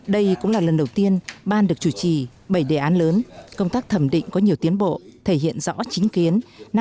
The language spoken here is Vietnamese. đây cũng là lần đầu tiên ban được chủ trì bảy đề án lớn công tác thẩm định có nhiều tiến bộ thể hiện rõ chính kiến